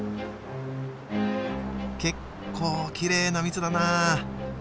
結構きれいな水だな。